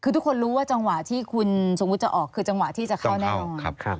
คือทุกคนรู้ว่าจังหวะที่คุณสมมุติจะออกคือจังหวะที่จะเข้าแน่นอน